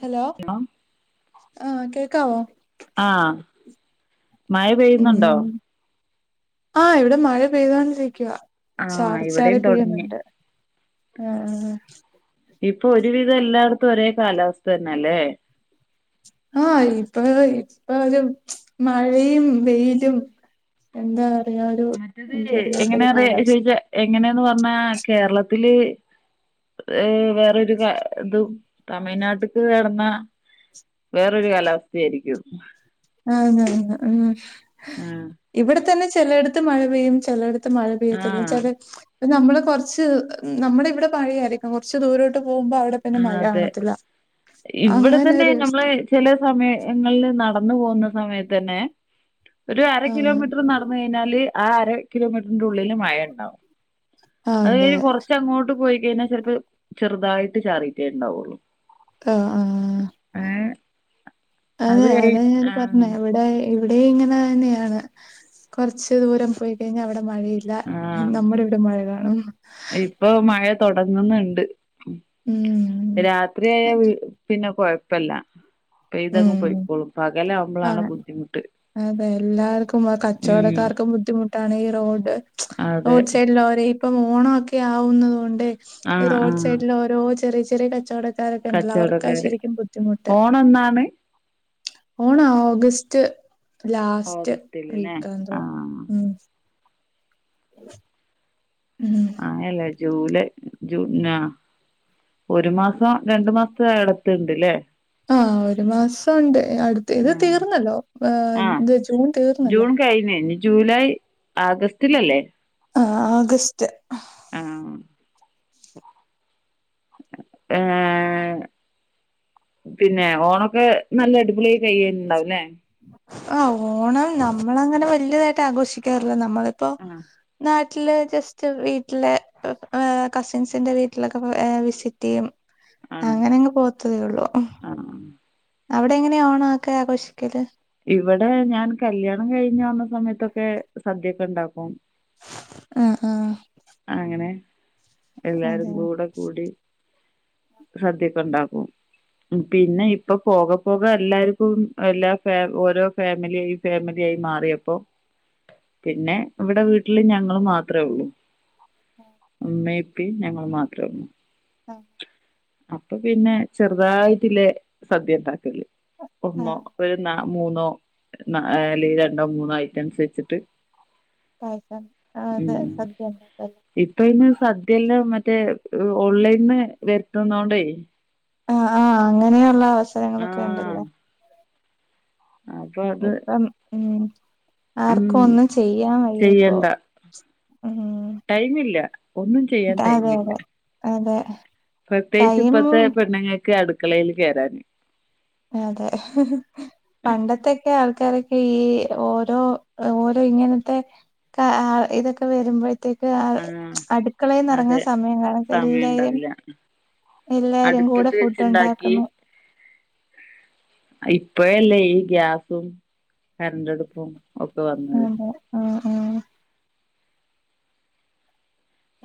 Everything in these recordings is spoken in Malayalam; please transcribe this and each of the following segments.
ഹലോ ആഹ കേക്കാവോ മയ പെയ്യുന്നുണ്ടോ ആ ഇവിടെ മഴ പെയ്തോണ്ടിരിക്കുവാ ആഹ് ചാറി ചാറി ഇവിടെയും തൊടങ്ങി പെയ്യുന്നുണ്ട് ആ ഇപ്പൊ ഒരുവിധം എല്ലാടത്തും ഒരേ കാലാവസ്ഥ തന്നെ അല്ലേ ആഹ ഇപ്പ ഇപ്പ ഒരു മഴയും വെയിലും എന്താ പറയാ അന്തല്ലാത്തൊ ഒരു കാലാവസ്ഥ എങ്ങനെയന്ന് പറഞ്ഞാ കേരളത്തില് ഏ വേറൊരു ക ഇതും തമിഴ്നാട്ട്ക്ക് കടന്ന വേറൊരു കാലാവസ്ഥയായിരിക്കും ആ ആ ആ ആഹ് ഇവിടെ തന്നെ ചിലയിടത്ത് മഴ പെയ്യും ചിലയിടത്ത് ടത്ത് മഴ പെയ്യത്തില്ല ആഹ് ചെല ഇപ്പ നമ്മള് കൊറച്ച് നമ്മള ഇവിടെ മഴയായിരിക്കും കുറച്ച് ദൂരോട്ട് പോകുമ്പോൾ അവിടെ പിന്നെ ആഹ് മഴ അതെ കാണത്തില്ല അങ്ങനെ ഒരുസ്ഥ ചില സമയങ്ങളിൽ നടന്നു പോകുന്ന സമയത്ത് തന്നെ ഒരു അര ആഹ് കിലോമീറ്റർ നടന്ന കഴി ഞ്ഞാല് ആ അര കിലോമീറ്ററിന്റെ ഉള്ളില് മഴയ ഉണ്ടാവും അത് അതെ കഴിഞ്ഞ് കുറച്ചങ്ങോട്ട് പോയി കഴിഞ്ഞാൽ ചിലപ്പ ചെറുതായിട്ട് ചാറിയിട്ടേ ഉണ്ടാവുള്ളു ആഹ് ആഹ് ഏ അത് അതെ കഴി അതാ ഞാൻ പറഞ്ഞേ ആഹ് ഇവിടെ ഇവിടെ ഇങ്ങനെ തന്നെയാണ് കുറച്ച് ദൂരം പോയി കഴിഞ്ഞാൽ അവിടെ മഴയി ല്ല ആഹ് നമ്മുടെ ഇവിടെ മഴ കാണും ഇപ്പൊ മഴ തൊടങ്ങുന്നുണ്ട് ഉം രാത്രിയായ പിന്നെ കൊഴപ്പല്ല പെയ്തങ്ങ് ഉം പോയ്ക്കോളും ആ പകലാവുമ്പോളാണ് ബുദ്ധിമുട്ട് അതെ എല്ലാർക്കും ഉം കച്ചവടക്കാർക്കും ബുദ്ധിമുട്ടാണ് ഈ റോഡ് അതെ റോഡ് സൈഡിലോര ഇപ്പം ഓണൊക്കെ ആവുന്നത് കൊണ്ട് ഈ ആഹ് റോഡ് ആഹ് സൈഡില് ഓരോ ചെറിയ ചെറിയ കച്ചവട ക്കാരൊക്കെ ഉണ്ടല്ലോ അവർക്കാ ശരിക്കും ബുദ്ധിമുട്ട് ഓണം എന്നാണ് ഓണം ഓഗസ്റ്റ് ലാസ്റ്റ് ഓഗസ്റ്റില് ല്ലേ വീക്ക് ന്തോ ആഹ് ഉം [inaudible] ഉം അങ്ങല്ല ജൂലൈ ജൂ ഒരു മാസം രണ്ടു മാസത്തെ ഇടത്തുണ്ട്ല്ലേ ആഹ് ഒരു മാസം ഉണ്ട് അടുത്ത് ഇത് തീർന്നല്ലോ ആഹ് ഇ ജൂൺ തീർന്നല്ലോ ജൂൺ കഴിഞ്ഞ് ഇനി ജൂലൈ ആഗസ്റ്റിലല്ലേ ആ ആഗസ്റ്റ് ഉം ങ് പിന്നെ ഓണൊക്കെ നല്ല അടിപൊളി കൈണ്ടാവുംല്ലേ ആ ഓണം നമ്മള അങ്ങനെ വല്യതായിട്ട് ആഘോഷിക്ക ക്കാറില്ല നമ്മളിപ്പോ ആഹ് നാട്ടില് ജസ്റ്റ് [unintelligible] വീട്ടിലെ കസിൻസിന്റെ വീട്ടിലൊക്കെ ഏഹ് വിസിറ്റ് ചെയ്യും അങ്ങനെ അങ്ങ് പോത്തതേള്ളു ആ അവിടെ എങ്ങനെയ ഓണ അക്കെ ആഘോഷിക്കല് ഇവിടെ ഞാൻ കല്യാണം കഴിഞ്ഞ് വന്ന സമയത്തൊക്കെ സദ്യൊക്കെ ഉണ്ടാക്കും ആഹ് ആഹ് അങ്ങനെ എല്ലാരും അതെയോ കൂടെ കൂടി സദ്യക്കെ ഇണ്ടാക്കും പിന്നെ ഇപ്പ പോക പോക എല്ലാർക്കും എല്ലാ ഫേ ഓരോ ഫാമിലേയി ഫേമിലായി മാറിയപ്പോ പിന്നെ ഇവ്ടെ വീട്ടില് ഞങ്ങള് മാത്രേ ഒള്ളൂ ഉമ്മേം ഉപ്പിം ഞങ്ങള് മാത്രോള്ളൂ ആഹ് അപ്പൊ പിന്നെ ചെറുതായിട്ടില്ലേ സദ്യേ ഇണ്ടാക്കല് ഒന്നോ ആഹ് ഒരു ന്നാ മൂന്നോ ന്നാ അല്ലെല് രണ്ടോ മൂന്നോ ഐറ്റംസ് വെച്ചിട്ട് പായസം ആ അതെ ഉം സദ്യണ്ടാക്കല് ഇപ്പൊ അയ്ന് സദ്യല്ലെം മറ്റേ ഓൺലൈൻന്ന് ആഹ് ആഹ് അങ്ങനെയുള്ള ആഹ് അവസരങ്ങളൊക്കെയുണ്ടല്ലേ അപ്പൊ അത് ഇപ്പം ഉം ഉം ആർക്കും ഒന്നും ചെയ്യാൻ വയ്യേപ്പോ ചെയ്യണ്ട മ്മ്ഹ് ടൈമില്ല ഒന്നും ചെയ്യാൻ ആതെ ടൈമില്ല അതെ അതെ പ്രത്യേകിച്ച് ഇപ്പത്തെ ടൈമും പെണ്ണ്ങ്ങക്ക് അടുക്കളയില് കേറാന് ആതെ പണ്ടത്തൊക്കെ ആൾക്കാരൊക്കെ ഈ ഓരോ ഓരോ ഇങ്ങനത്തെ ക്കാ ആഹ് ഇതൊക്കെ വരുമ്പഴ്ത്തേയ്ക്ക് ക്ക് ആഹ് അട്ക്കളെന്ന് എറങ്ങ്ണ അതെ സമയം വേണം സമയം ഇല്ലേല് ഉണ്ടാവില്ല എല്ലാരുംകൂടെ അടുപ്പത്ത് ഫുഡ് വെച്ചുണ്ടാക്കി ഇണ്ടാക്ക്ന്ന് അഇപ്പഴല്ലേ ഈ ഗ്യാസും കരണ്ടടുപ്പും ഒക്കെ വന്നത് അതെ ആഹ് ആഹ്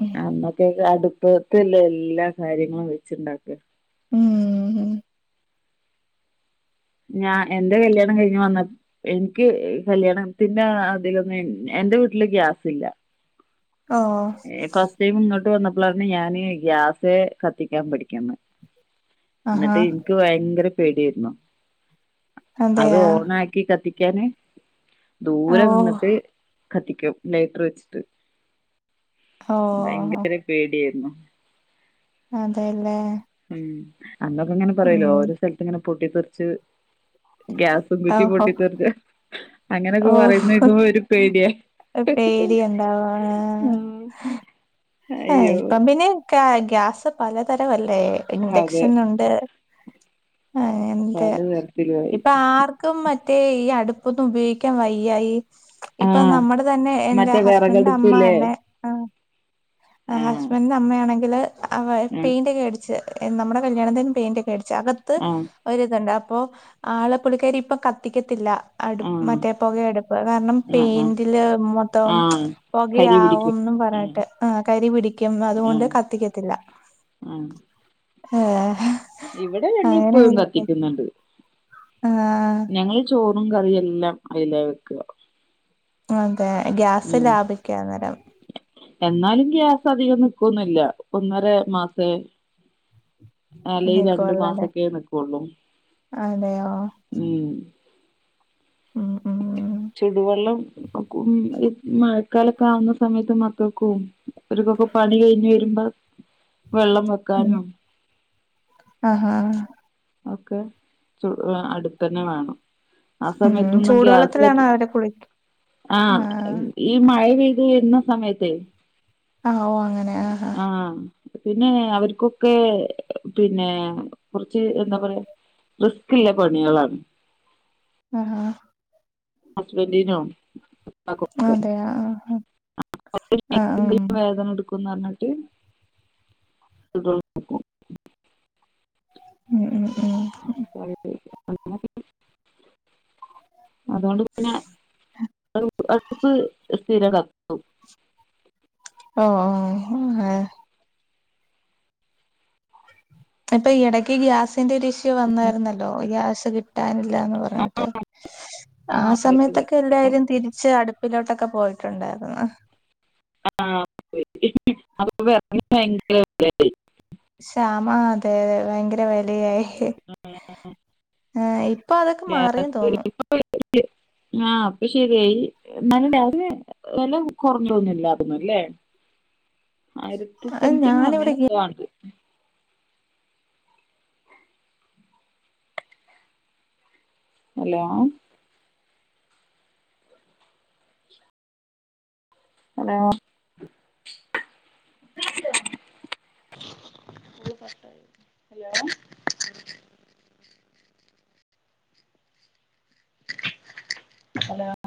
ആഹ് അന്നൊക്കെയിക്കാലത്ത് അടുപ്പത്തല്ലെ എല്ലാ കാര്യങ്ങളും വെച്ച്ണ്ടാക്കാ ഉം ഞാൻ എന്റെ കല്യാണം കഴിഞ്ഞ് വന്നപ് എൻക്ക് കല്യാണത്തിന്റെ ആ ആതിലൊന്നും എന്റെ വീട്ടില് ഗ്യാസില്ല ഓഹ് എ ഫസ്റ്റ് ടൈം ഇങ്ങട്ട് വന്നപ്പളാണ് ഞാന് ഗ്യാസ് കത്തിക്കാൻ പടിക്ക്ന്നെ ആഹാ എന്ന്ട്ട് ഇൻക്ക് ഭയങ്കര പേടിയാര്ന്നു അത് അതെയാ ഓണാക്ക് ക്കി കത്തിക്കാന് ഓ ദൂരെ ന്ന്ന്നിട്ട് കത്തിക്കും ലയ്റ്ററ് വെച്ചിട്ട് ഓ ഭയങ്കര പേട്യായ്രുന്നു അതെല്ലേ ഉം അന്നൊക്കെ ഇങ്ങനെ പറയലോ ഉം ഓരോ സ്ഥലത്ത് ഇങ്ങനെ പൊട്ടി തെർച്ച് ഗ്യാസ് സുംകുറ്റി ഓഹോ പൊട്ടിതെറിച്ച് അങ്ങനൊക്കെ ഓഹ് പറയുന്നേക്കുമ്പോ ഒരു പേട്യാ പേടിയുണ്ടാവാ ഹാഹ് ഇപ്പം പിന്നെ ഗ്യാ ഗ്യാസ് പലതരവല്ലേ അതെ ഇൻഡക്ഷനുണ്ട് ആന്റ് പല തരത്തിലുമായി ഇപ്പാർ ക്കും മറ്റേ ഈ അടുപ്പൊന്നും ഉപയോഗിക്കാൻ വയ്യ ഈ ഇപ്പൊ ആഹ് നമ്മടെതന്നെ എന്റെ മറ്റേ ഹസ്ബന്റ്ന്റെ അമ്മ വിറകടുപ്പില്ലേ തന്നെ ആഹ് ആഹ് ഹസ്ബന്റിന്റെ അമ്മയാണെങ്കില് അവ ആഹ് പെയിന്റെക്കെ അട്ച്ച് നമ്മടെ കല്യാണത്തിന് പെയിന്റെക്കെ അടിച്ച് അകത്ത് ആഹ് ഒരിത്ണ്ട് അപ്പൊ ആള് പുള്ളിക്കാരി ഇപ്പ കത്തിക്കത്തില്ല അടുപ് ആഹ് മറ്റേ പൊകയടുപ്പ് കാരണം ആഹ് ആഹ് പെയിന്റില് മൊത്തോം ആഹ് കരി പിടിക്കും പൊകയാവുംന്ന് പറ ഉം ട്ട് ആഹ് കരി പിടിക്കും അതുകൊണ്ട് ഉം കത്തിക്കത്തില്ല ഉം ഏഹ് ഇവിടെ അങ്ങനെ ഞങ്ങളിപ്പോഴും ഒര് കത്തിക്കുന്നുണ്ട് ആഹ് ഞങ്ങള് ചോറും കറിം എല്ലാം അയിലാവെക്കാ അതെ ഗ്യാസ് ഉം ലാഭിക്കാഅന്നേരം എന്നാലും ഗ്യാസ് അധികം നിക്കുവൊന്നുവില്ല ഒന്നര മാസവേ അല്ലെ രണ്ടു നിക്കുവല്ലല്ലേ മാസൊക്കെയേ നിക്കൂള്ളൂ അതെയോ ഉം. ഉം ഉം ചുടുവെള്ളം [unintelligible] മഴക്കാലവൊക്കെ ആവുന്ന സമയത്ത് മക്കൾക്കും അവർക്കൊക്കെ പണി കഴിഞ്ഞ് വരുമ്പോ വെള്ളം വെക്കാനും ആഹ് ആഹ് ആഹ് ഒക്കെ ചു അടുപ്പ് തന്നെ വേണം. ആ ഉം സമയത്തൊന്നും ഗ്യാസ് ചൂടുവെള്ളത്തിലാണ് കത്തി അവര് കുളിക്ക ആഹ് ഈ മഴ പെയ്ത് വരുന്ന സമയത്തെ ആ ഓ അങ്ങനെ ആഹ് ആഹ് ആഹ് പിന്നെ അവർക്കൊക്കെ പിന്നേ ച്ച് എന്താ പറയാ റിസ്ക്കുള്ള പണികളാണ്. ആഹ് ആഹ് ഹസ്ബൻഡിനോ മക്കൾക്കൊക്കെ അതെ ആഹ് ആഹ് ഉം [unintelligible] വേദന എടു ക്കൂന്ന് പറഞ്ഞിട്ട് ഉം ഉം ഉം [unintelligible] അതുകൊണ്ട് പിന്നെ അടുപ്പ് സ്ഥിരവാക്കി ആഹ് ആഹ് ആഹ് ഇപ്പൊ ഈ ഇടക്ക് ഗ്യാസിന്റെ ഒരു ഇഷ്യു വന്നായിരുന്നല്ലോ ഗ്യാസ് കിട്ടാനി ഇല്ലാന്ന് പറഞ്ഞിട്ട് ആ സമയത്തൊക്കെ എല്ലാരും തിരിച്ച് അടുപ്പിലോട്ടൊക്കെ പോയിട്ടുണ്ടായിരുന്നു [unintelligible] ഷാമാ അതെ ഭയങ്കര വിലയായി ആഹ് ഇപ്പൊ അതൊക്കെ മാറിയെന്ന് തോന്നുന്നു ആഹ് അപ്പൊ ശെരിയായി [unintelligible] അത് വില കൊറണ്ടോന്നില്ലായിതന്ന അല്ലേ ആയിരത്തി അത് സംതിങ് അങ്ങനെ ഞാനിവിടെ [unintelligible] ഹലോ ഹലോ ഹലോ ഹലോ